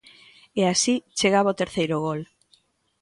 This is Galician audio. E así chegaba o terceiro gol.